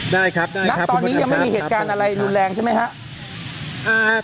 ได้ครับได้ณตอนนี้ยังไม่มีเหตุการณ์อะไรรุนแรงใช่ไหมครับ